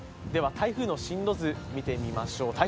台風の進路図を見てみましょう。